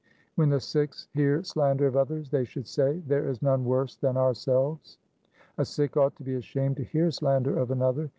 When the Sikhs hear slander of others, they should say ' There is none worse than ourselves.' 3 A Sikh ought to be ashamed to hear slander of another.